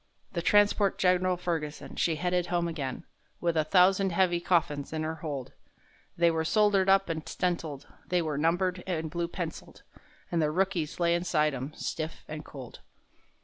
The transport Gen'ral Ferguson, she headed home again, With a thousand heavy coffins in her hold; They were soldered up and stenciled, they were numbered and blue penciled,— And the rookies lay inside 'em stiff and cold.